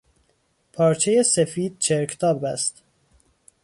پارچهی سفید چرکتاب است.